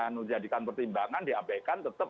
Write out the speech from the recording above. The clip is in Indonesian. dijadikan pertimbangan di apekan tetep